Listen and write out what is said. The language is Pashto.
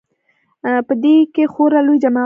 په سي ډي کښې خورا لوى جماعت و.